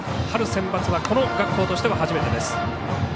春センバツはこの学校としては初めてです。